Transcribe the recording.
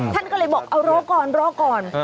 ท่านก็เลยบอกเอารอก่อน